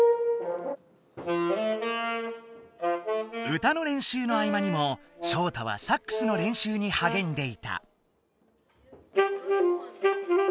歌の練習の合間にもショウタはサックスの練習にはげんでいた。